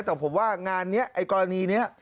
แต่ผมว่างานนี้ไอ้กรณีนี้